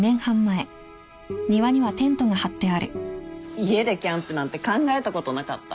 家でキャンプなんて考えたことなかった